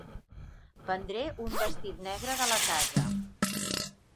Prendré un vestit negre de la casa.